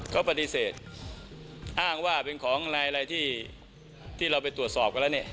เขาปฏิเสธอ้างว่าเป็นของนายอะไรที่เราไปตรวจสอบกันแล้วเนี่ย